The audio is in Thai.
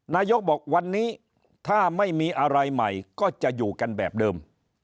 นายกบอกวันนี้ถ้าไม่มีอะไรใหม่ก็จะอยู่กันแบบเดิม